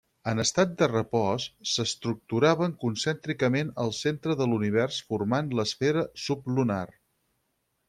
En estat de repòs s'estructuraven concèntricament al centre de l'univers formant l'esfera sublunar.